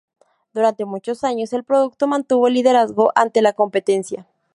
Durante muchos años el producto mantuvo el liderazgo ante la competencia.